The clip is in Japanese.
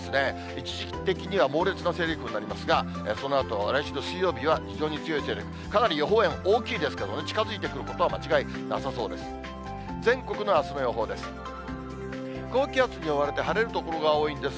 一時的には猛烈な勢力になりますが、そのあと来週の水曜日には、非常に強い勢力、かなり予報円、大きいですけどね、近づいてくることは間違いなさそうです。